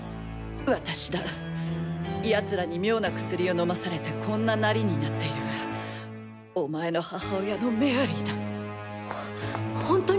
私だ奴らに妙な薬を飲まされてこんな形になっているがお前の母親のメアリーだほっ